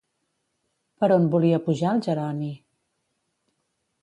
Per on volia pujar el Jeroni?